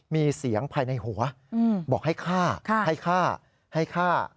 มีเสียงภายในหัวบอกให้ฆ่าให้ฆ่าให้ฆ่า